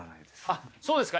あっそうですか。